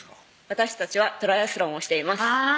私たちはトライアスロンをしていますあぁ！